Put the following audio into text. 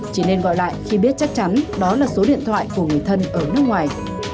chỉ nên gọi lại khi biết chắc chắn đó là số điện thoại của người thân ở nước ngoài